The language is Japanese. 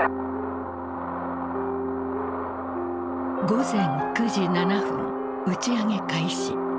午前９時７分打ち上げ開始。